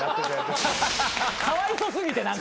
かわいそ過ぎて何か。